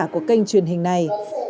của kênh truyền hình này